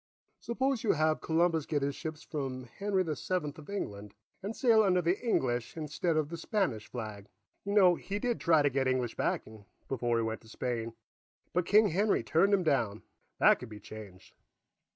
Suppose you have Columbus get his ships from Henry the Seventh of England and sail under the English instead of the Spanish flag. You know, he did try to get English backing, before he went to Spain, but King Henry turned him down. That could be changed."